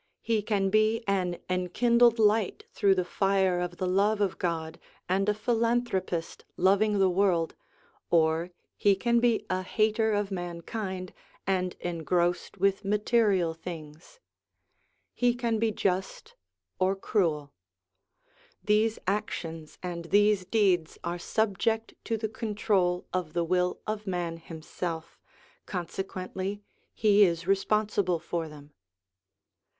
He can be an enkindled light through the fire of the love of God, and a philanthropist loving the world, or he can be a hater of mankind, and engrossed with material things. He can be just or 287 288 SOME ANSWERED QUESTIONS cruel. These actions and these deeds are subject to the control of the will of man himself, consequently he is responsible for them.